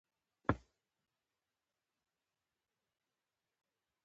ایا زه باید د شري واکسین وکړم؟